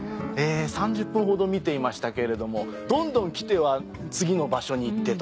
３０分ほど見ていましたけれどもどんどん来ては次の場所に行ってと。